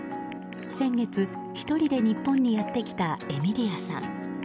先月１人で日本にやってきたエミリアさん。